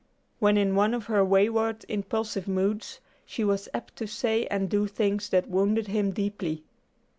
When in one of her wayward impulsive moods, she was apt to say and do things that wounded him deeply.